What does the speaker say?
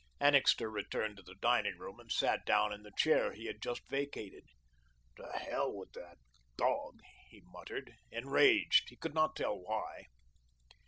Annixter returned to the dining room and sat down in the chair he had just vacated. "To hell with the dog!" he muttered, enraged, he could not tell why.